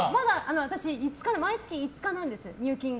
私、毎月５日なんです入金が。